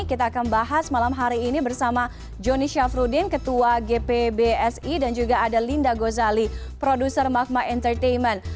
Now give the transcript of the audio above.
kita akan bahas malam hari ini bersama joni syafruddin ketua gpbsi dan juga ada linda gozali produser magma entertainment